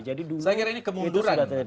saya kira ini kemunduran